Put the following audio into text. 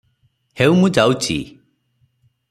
ହେଉ ମୁଁ ଯାଉଚି ।